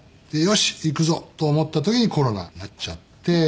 でよしいくぞ！と思った時にコロナになっちゃって。